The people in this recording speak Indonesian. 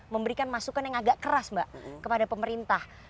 memberikan masukan yang agak keras mbak kepada pemerintah